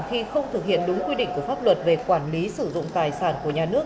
khi không thực hiện đúng quy định của pháp luật về quản lý sử dụng tài sản của nhà nước